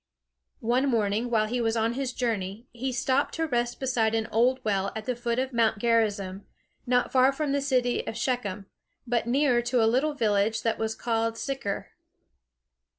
One morning while he was on his journey, he stopped to rest beside an old well at the foot of Mount Gerizim, not far from the city of Shechem, but nearer to a little village that was called Sychar.